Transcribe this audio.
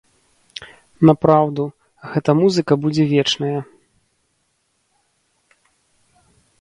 Напраўду, гэта музыка будзе вечная.